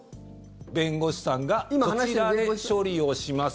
弁護士さんがこちらで処理をします